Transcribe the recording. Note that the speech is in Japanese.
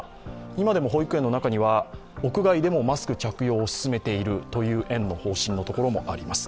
今でも保育園の中には屋外でもマスク着用を勧めている園の方針のところもあります。